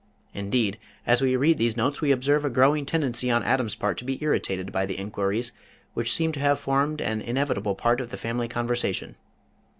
Indeed, as we read these notes we observe a growing tendency on Adam's part to be irritated by the enquiries which seem to have formed an inevitable part of the family conversation.